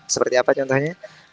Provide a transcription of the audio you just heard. seperti apa contohnya